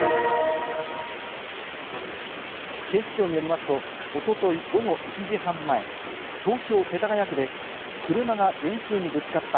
警視庁によりますと、おととい午後１時半前、東京・世田谷区で車が電柱にぶつかった。